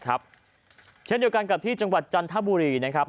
เช่นเดียวกันกับที่จังหวัดจันทบุรีนะครับ